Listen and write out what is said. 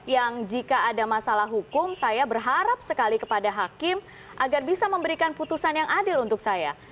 yang jika ada masalah hukum saya berharap sekali kepada hakim agar bisa memberikan putusan yang adil untuk saya